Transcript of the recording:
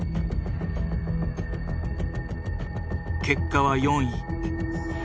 結果は４位。